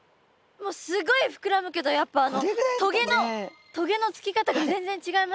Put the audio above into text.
もうスゴい膨らむけどやっぱ棘の棘のつき方が全然違いますね。